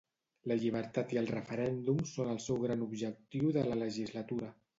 La llibertat i el referèndum són el seu gran objectiu de la legislatura.